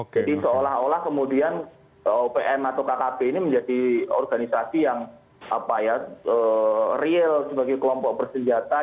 jadi seolah olah kemudian opm atau kkp ini menjadi organisasi yang real sebagai kelompok persediaan